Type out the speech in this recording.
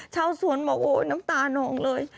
ชาวสวนบอกโอ้ยน้ำตานองเลย